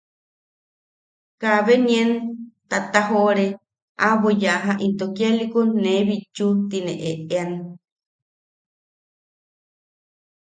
Kabe nien tatajoʼoreka aʼabo yaja into kialikun ne bitchu tine eʼean.